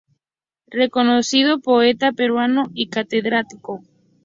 Reconocido poeta peruano y catedrático.